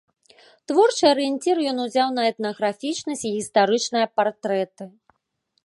Творчы арыенцір ён узяў на этнаграфічнасць і гістарычныя партрэты.